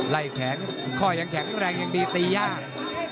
ไล่แขนข้อยังแข็งแรงยังดีตียาก